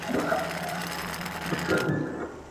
څنګه لوی سوداګر قیمتي ډبرې عربي هیوادونو ته لیږدوي؟